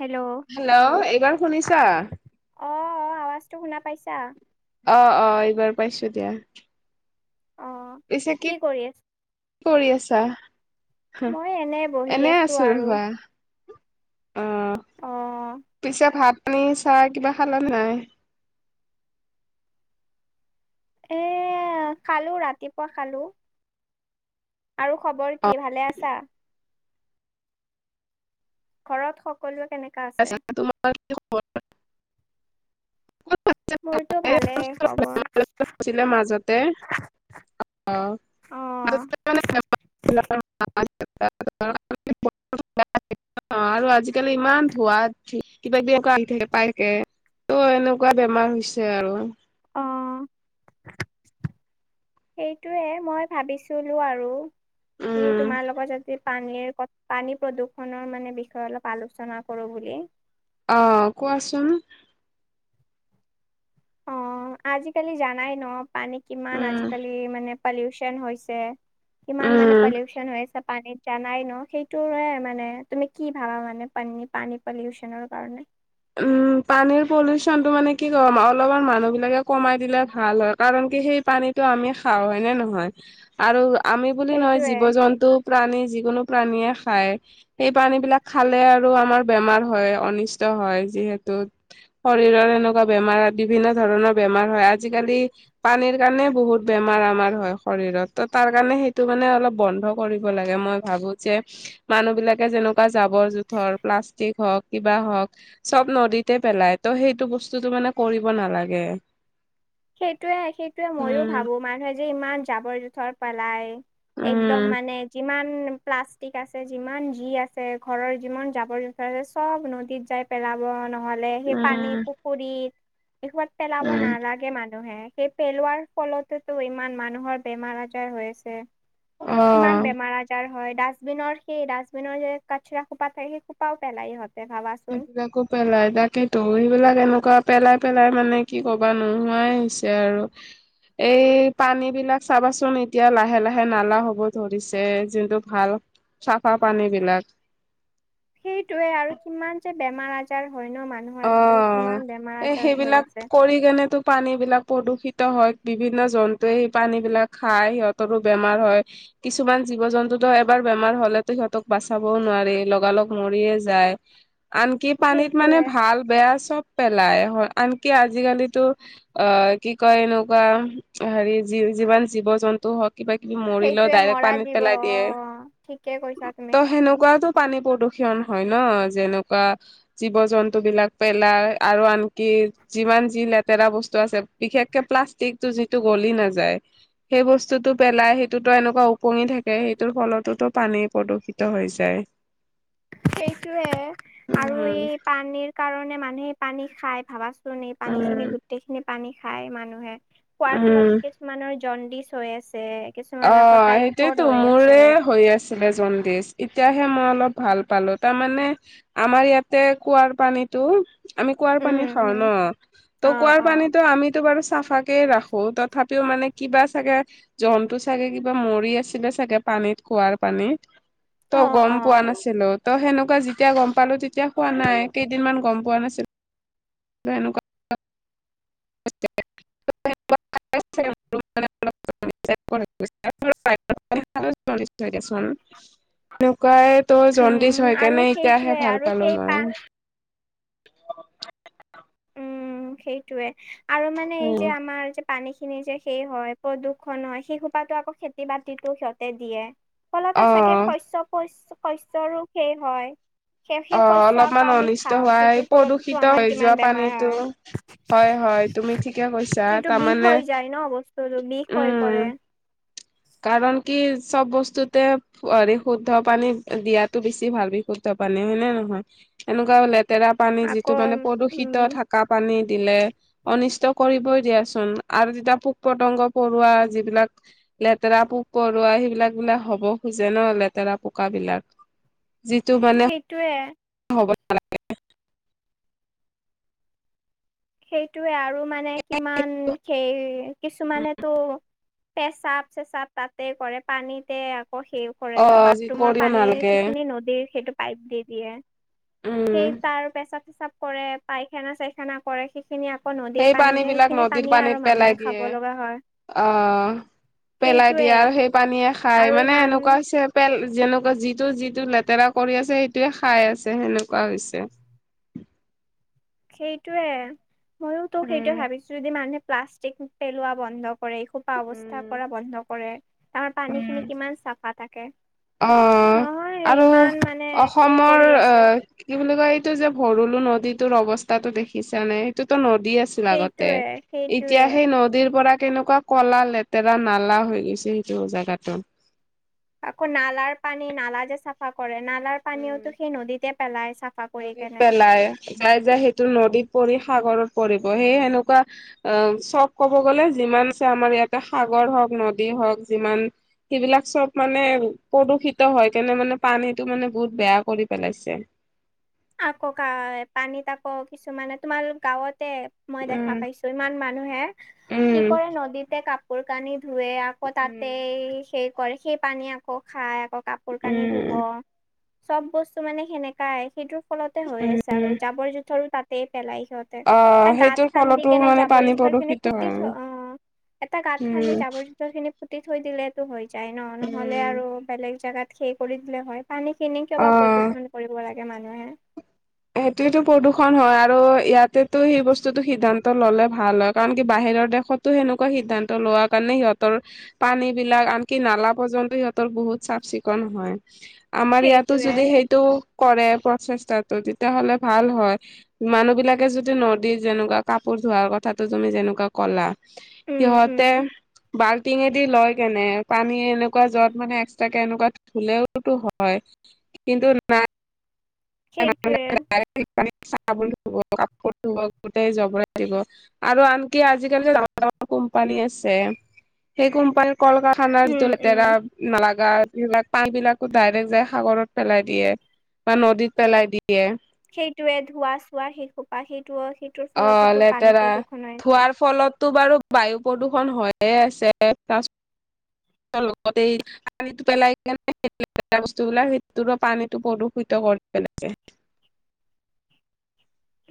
Hello. Hello এইবাৰ শুনিছা? অহ', অহ' আৱাজটো শুনা পাইছা? অহ', অহ'। এইবাৰ পাইছোঁ দিয়া। অহ, পিছে কি কৰি আছে? কি কৰি আছা? হম এনে বহি এনেই আছো আছোঁ আৰু ৰবা। অহ, অ', পিছে ভাত পানী চাহ কিবা খালা নে নাই? এ খালোঁ ৰাতিপুৱা খালোঁ। আৰু খবৰ অ কি ভালে আছা? ঘৰত সকলোৱে। কেনেকা আছে? তোমাৰ কি খবৰ। [inaudible] [unintelligible] মোৰতো ভালে খবৰ। মাজতে। অহ। অ', [unintelligible] [unintelligible] আৰু আজিকালি ইমান। ধোৱাত কিবা কিবি এনেকুৱা থাকে পাই থাকে ত' এনেকুৱা বেমাৰ হৈছে আৰু। অহ। সেইটোৱে মই ভাবিছিলো আৰু। কি উম। তোমাৰ লগত যদি। পানীৰ পানী প্ৰদূৰণৰ মানে বিষয়ে অলপ আলোচনা কৰোঁ বুলি। অহ কোৱাচোন। অ আজিকালি জানাই নহ পানী কিমান উম আজিকালি মানে। পালিউচন হৈছে কিমান মানে উম। পালিউচন হৈ আছে। পানীত জানাই নহ সেইটোৰে মানে তুমি কি ভাবা মানে পানী, পানী পালিউচনৰ কাৰণে। উম পানীৰ পলুচনটো মানে কি কম অলপমান মানুহ বিলাকে কমাই দিলে ভাল হয় কাৰণ। সেই পানীটো আমি খাওঁ হয় নে নহয় আৰু। আমি বুলি নহয় সেইটোয়ে জীৱ জন্তু প্ৰাণী যিকোনো। প্ৰাণীয়ে খায় সেই পানী বিলাক খালে আৰু আমাৰ বেমাৰ হয় অনিষ্ট হয়। যিহেতু শৰীৰৰ এনেকুৱা বেমাৰ বিভিন্ন ধৰণৰ বেমাৰ হয় আজিকালি পানী। [unintelligible] কাৰণে বহুত বেমাৰ আমাৰ হয় শৰীৰত টো তাৰ কাৰণে সেইটো মানে অলপ বন্ধ কৰিব লাগে মই ভা ভাবোঁ যে মানুহ বিলাকে যেনেকুৱা জাবৰ-জোথৰ প্লাষ্টিক হওঁক কিবা হওঁক। চব নদীতে পেলাই টো' সেইটো বস্তুটো মানে কৰিব নালাগে। সেইটোৱে সেইটোৱে মইও উম ভাবোঁ মানুহে যে ইমান জাবৰ-জোথৰ পেলায়। একদম উম মানে যিমান। উম প্লাষ্টিক আছে যিমান যি আছে ঘৰৰ যিমান জাৱৰ-জোথৰ আছে চব নদীত যাই পেল [unintelligible] নহ'লে সেই পানী উম পুখুৰীত [unintelligible] পেলাব উম নালাগ [unintelligible] সেই পেলোৱাৰ ফলতেটো ইমান মানুহৰ বেমাৰ আজাৰ হৈ আছে। অ ইমান বেমাৰ আজাৰ হয়। ডাষ্টবিনৰ সেই ডাষ্টবিনৰ যে কাচৰা খোপা থাকে সেই খোপাও পেলাই ইহঁত সেইবিলাকো পেলাই তাকেইতো সেইবিলাক এনেকুৱা। পেলাই পেলাই মানে কি কবা নোহোৱাই হৈছে আৰু। এই পানী বিলাক চাবাচোন এতিয়া লাহে লাহে নালা হ'ব ধৰিছে যোনটো ভাল। চাফা পানী বিলাক। সেইটোৱে আৰু কিমান যে বেমাৰ আজাৰ। হয় ন মানুহৰ অ আজিকালি কিমান বেমাৰ এই আজাৰ হৈ সেইবিলাক আছে। কৰি কেনেটো পানী বিলাক প্ৰদূষিত। [unintelligible] হয় বিভিন্ন জন্তুৱে সেই পানীবিলাক খাই সিহঁতৰো বেমাৰ হয় কিছুমান জীৱ-জন্তু। [unintelligible] এবাৰ বেমাৰ হ'লেতো সিহঁতক বাচাবও নোৱাৰি লগালগ মৰিয়ে যায়। আনকি পানীত মানে। সেইটোৱে ভাল বেয়া চব পেলায় হয় আনকি আজিকালিটো অ কি কয় এনেকুৱা। হেৰি যি-যিমান জীৱ-জন্তু হওঁক। কিবা কিবি মৰিলেও সেইটোৱে ডাইৰেক্ট মৰা পানীত জীৱ অ পেলাই দিয়ে ঠিকে কৈছা ত তুমি সেনেকুৱাটো পানী প্ৰদূ ষণ হয় নহ যেনেকুৱা জীৱ জন্ [unintelligible] পেলাই আৰু আনকি যিমান যি লেতেৰা বস্তু আছে বিশেষকে প্লাষ্টিকটো যিটো। গলি নাযায় সেই বস্তুটো পেলাই সেইটোতো এনেকুৱা ওপঙি থাকে সেইটোৰ ফলতো পানী। [unintelligible] প্ৰদূষিত হৈ যায়। [inaudible] সেইটোৱে আৰু উম এই পানীৰ কাৰণে মানুহে পানী খাই ভাবা। পানী খিনি উম গোটেই খিনি পানী খাই মানুহে খোৱাৰ ফলত উম কিছুমানৰ জণ্ডিচ। হৈ আছে। অ কিছুমানৰ আকৌ টাইফইড সেইটোৱেতো হৈ আছে। মোৰে হৈ আছিলে জণ্ডিছ এতিয়াহে মই অলপ। ভাল পালো, তাৰমানে আমাৰ ইয়াতে কুঁৱাৰ পানীতটো। আমি কুঁৱাৰ পানী উম খাওঁ উম ন, ত, অ কুঁৱাৰ পানীতো অ আমিতো বাৰু চাফাক কে ৰাখো, তথাপিও মানে কিবা চাগে জন্তু চাগে কিবা মৰি আছিলে চাগে, পানীত কুৱাৰ পানীত ত' অ গম অ পোৱা নাছিলো। ত, সেনেকুৱা যেতিয়া গম পালো, তেতিয়া হোৱা নাই, কেইদিনমান গম পোৱা নাছিলো। জন ক [inaudible] চোন এনেকুৱাই। ত, জণ্ডিছ উম হৈ আৰু কেনে এতিয়াহে সেইটোৱে ভাল আৰু পালো সেই পা মই। উম, সেইটয়ে আৰু মানে এই উম। যে আমাৰ যে পানী খিনি যে, সেই হয় প্ৰদূ্ষন হয়। সেই সোপাতো আকৌ খেতি বাতিতো সিহঁতে দিয়ে। ফলত চাগে অ', শস, শস্য ৰ শেষ হয়। সেই, সেই, অ', শস্য আকৌ অলপমান আমি অনিষ্ট খাওঁ। হোৱাই সেইটোৰ ফলততো প্ৰদূষিত আমাৰ হৈ কিমান যোৱা বেমাৰ পানীটো। হয় হয়, হয়, তুমি ঠিকে কৈছা সটো বিষ তাৰমানে হৈ যায় ন, অৱস্থ বিষ হৈ উম, পৰে। কাৰণ কি চব বস্তুতে হৰি শুদ্ধ পানী দিয়াতটো বেছি ভাল বিশুদ্ধ পানী হয় নে, নহয়, এনেকুৱা লেতেৰা পানী আকৌ যিটো মানে উম প্ৰদূষিত থকা পানীত দিলে অনিষ্ট কৰিবই দিয়াচোন আৰু যেতিয়া পোক, পতংগ পৰুৱা যিবিলাক লেতেৰা পোক, পৰুৱা সেইবিলাক বিলাক হ'ব খোজে ন, লেতেৰা পোকাবলাক সেইটয়ে। হ'ব, নালাগে। সেইটোৱে আৰু মানে কিমান সেই কিছুমানেতো পেচাব, চেচাব তাতে কৰে পানীতে। সেই কৰিই অ লোৱা যি বাথৰুমৰ কৰিব পানীৰ নালাগে সেইখিনি নদীৰ সেইটো পাইপ দি দিয়ে। সেই উম তাৰ পেচাব, চেচাব কৰে, পাইখানা, চাইখানা কৰে। সেইখিনি আকৌ নদীৰ সেই পানী যায় বিলাক সেইখিনি নদীৰ পানীয়ে আৰু পানীত পেলাই মানুহে খাব দিয়ে, লগা হয় আহ। পেলাই সেইটোৱে দিয়ে আৰু সেই পানীয়ে আৰু খাই মানে ইমান এনেকুৱা হৈছে পেল যেনেকুৱা যিটো, যিটো লেতেৰা কৰি আছে, সেইটোয়ে খাই আছে, সেনেকুৱা হৈছে। [unintelligible] সেইটোয়ে ময়ো তো, উম সেইটোয়ে ভাবিছো যদি মানুহে প্লাষ্টিক পেলোৱা বন্ধ। কৰে খোপা অৱস্থাৰ পৰা বন্ধ কৰে। আমাৰ পানী খিনি কিমান চাফা থাকে। অ'। নহয় আৰু ইমান মানে সেই কৰি অসমৰ অ, আছে কি বুলি কয়, এইটো যে ভৰলো নদীত অৱস্থাতো দেখিছা নে, সটোতো নদী আছিল আগতে, সেইটোৱে এতিয়া সেইটোৱে সেই নদীৰ পৰা কেনেকুৱা কলা লেতেৰা নালা হৈ গৈছে, সেইটো জোগাতো। আকৌ নালাৰ পানী নালা যে চাফা কৰে। নালাৰ উম, পানীওতো সেই নদীতে পেলাই চাফা কৰি নদীত কেনে পেলাই যাই, যাই সেইটো নদীত পৰি সাগৰত পৰিব। সেই সেনেকুৱা অ, চব ক'ব গ'লে যিমান আছে, আমাৰ ইয়াতে সাগৰ হওক নদী হওক যিমান সেইবিলাক চব মানে প্ৰদূষিত হয়, কেনে, মানে পান সেইটো মানে বহুত বেয়া কৰি পেলাইছে। আকৌ কাই পানীত আকৌ কিছুমানে তোমাৰ গাঁৱত তে, মই দেখা উম পাইছো ইমান মানুহে কি উম কৰে নদীতে কাপোৰ, কানি ধুৱে আকৌ তাতে সেই কৰে, সেই পানী আকৌ খাই আকৌ। কাপোৰ, কানি ধুব উম চব বস্তু মানে সেনেকাই, সেইটো। ফলতে হৈ আছে আৰু উম জাবৰ, জোথৰো তাতেই পেলাই। অ ত, গাঁত সেইটোৰ খান্দি ফলতো কেনে মানে জাবৰ পানী খিনি প্ৰদূষিত পু, থ, হয় অ'। এটা গাঁত খানদি উম যাবৰ, জৰ খিনি ফুটি থৈ দিলেতটো হৈ যায় ন, নহলে উম আৰু বেলেগ জাগাত সেই কৰি দিলে হয়। পানী কিনি কিয় বা অ প্ৰদূষণ কৰিব লাগে মানুহে। সেইটোয়ো প্ৰদূষণ হয় আৰু ইয়াতেতটো সেই বস্তুতটো সিদ্ধান্ত ল'লে ভাল হয়, কাৰণ কি বাহিৰ ব সনেকুৱা সিান্ত ল কাৰণ সহতৰ পানী বিলাক আনকি না পৰ স বহুত চাফ চিকুণ হয় আমাৰ ইয়াতো সেইটোৱে যদি সেইটো কৰে প্ৰচোত তেতিয়াাহ'লে ভাল হয় মানুহ বিলাকে যদি নদী যেনেকুৱা কাপোৰ ধোৱাৰ কথাাতটো তুমি যেনে এনেকুৱা কলা উম উম সিহঁতে ব টিঙেদি লয় কেনে পানী এনেকুৱা য্বত মানে এক্সট্ৰাকে এনেকুৱা ধুলেওতো হয় কিন্তু নাই সেইটোৱে [inaudible] চ বুলি ধুব কাপোৰ ধুব গোটেই জবৰাই দিব আৰু আনকি আজিকালি কোম্পানী আছে সেই কোম্পানী কল কাৰখানাৰ উম যিটো উম লেতেৰা নালাগা এইিলাক পান বিলাকো ডাইৰেক্ট যাই সাগৰত পেলাই দিয়ে বা নদীত পেলাই দিয়ে সেইটোৱে ধোৱা চোৱা শিশোপা সেইটো সেইটোৰ অ ফলতোতো পানী লেতেৰা প্ৰদূৰ্ষণ হৈছে ধোৱাৰ ফলতো বাৰু বায়ু প্ৰদূষণ হৈয়ে আছে লগতে পানীটো পেলাই কেনে বস্তুবলাক সেইটো পানীটো প্ৰদূষিত আছে [unintelligible]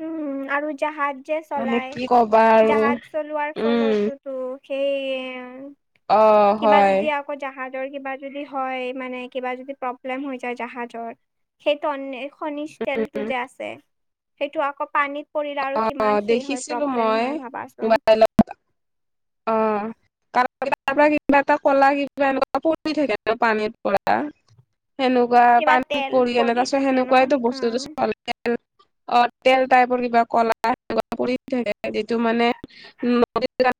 উমম আৰু জাহাজ যে মানে চলাই কি কবা আৰু জাহাজ চলোৱাৰ উম ফলতোতো সেই অ কিবা হয় যদি আকৌ যাহাজ হয় খনিজ তেলতটো উম যে আছে সেইটো আকৌ পানীত শৰীৰ আৰু কিমান অ' শেষ হয় দেখিছিলো প্ৰব্লেম মই হয় ভাবাচোন মোবাইলত অ', কাৰ তাৰ পৰা কিবা এটা ক'লা কিবা এনেকুৱা পৰি থাকে ন পানীৰ পৰা সেনেকুৱা কিবা পানী তেল পৰি আনে তাৰাছত থাকে ন সেনেকুৱাইতো বস্তুতো চ সেইকাৰণে অ', তেল টাইপৰ কিবা কলা আহ কৰি থাকে যিটো মানে উ নদ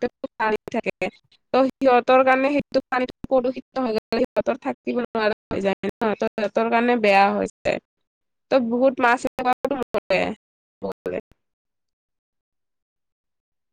থাকে ত সিহঁতৰ কাৰণে সেইটো পানী প্ৰদূষিত হৈ গ সিহঁতৰ থাকিব সিহতৰ কাৰণে বেয়া হৈছে তই বহুত মাছ এ